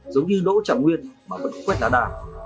giống như đỗ chẳng nguyên mà vẫn quét đá đà